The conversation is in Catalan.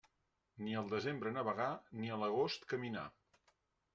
Ni al desembre navegar, ni a l'agost caminar.